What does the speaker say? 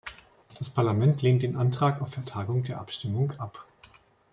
Das Parlament lehnt den Antrag auf Vertagung der Abstimmung ab.